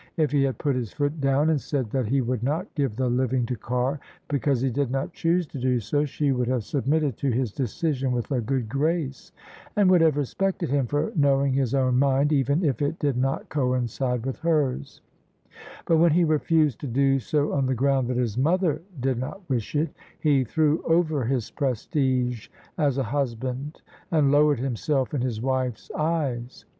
If he had put his foot down and said that he would not give the living to Carr because he did not choose to do so, she would have submitted to his decision with a good grace, and would have respected him for knowing his own mind, even if it did not coincide with hers ; but when he refused to do so on the ground that his mother did not wish it, he threw over his prestige as a husband and lowered himself in his wife's eyes.